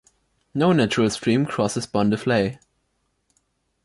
No natural stream crosses Bondoufle.